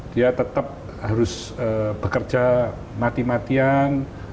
dia tetap harus bekerja mati matian